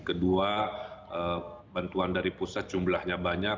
kedua bantuan dari pusat jumlahnya banyak